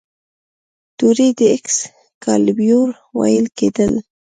تورې ته ایکس کالیبور ویل کیدل.